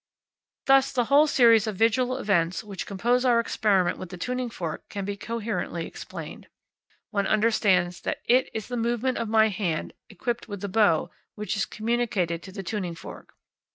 Thus the whole series of visual events which compose our experiment with the tuning fork can be coherently explained. One understands that It is the movement of my hand equipped with the bow which is communicated to the tuning fork.